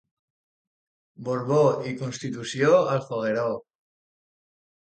Borbo i constitució, al fogueró.